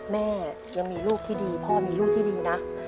แม่ยังมีลูกที่ดีพ่อมีลูกที่ดีนะ